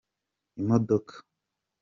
imodoka.